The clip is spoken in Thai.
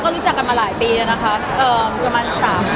ก็รู้จักกันมาหลายปีแล้วนะคะ